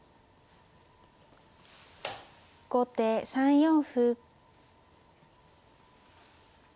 後手３四歩。